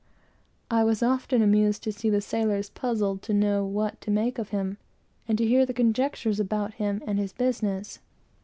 I was often amused to see the sailors puzzled to know what to make of him, and to hear their conjectures about him and his business.